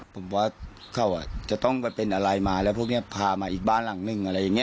ผมว่าเขาจะต้องไปเป็นอะไรมาแล้วพวกนี้พามาอีกบ้านหลังนึงอะไรอย่างนี้